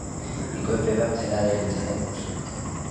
იკვებება მცენარეებითა და მოლუსკებით.